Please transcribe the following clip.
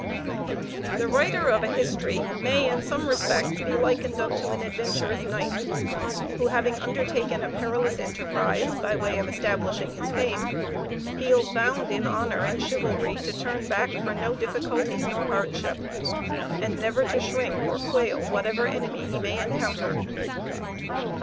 The writer of a history may, in some respects, be likened unto an adventurous knight, who having undertaken a perilous enterprise by way of establishing his fame, feels bound, in honor and chivalry to turn back for no difficulty nor hardship, and never to shrink or quail, whatever enemy he may encounter.